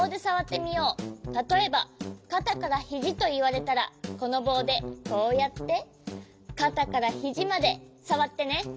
たとえば「かたからひじ」といわれたらこのぼうでこうやってかたからひじまでさわってね。